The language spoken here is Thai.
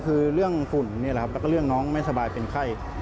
คือเรื่องฝุ่นนี่แหละครับแล้วก็เรื่องน้องไม่สบายเป็นไข้